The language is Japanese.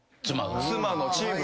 妻のチームが。